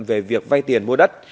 về việc vay tiền mua đất